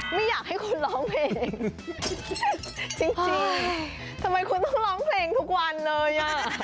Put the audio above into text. ไม่อยากให้คนร้องเพลงจริงทำไมคุณต้องร้องเพลงทุกวันเลยอ่ะ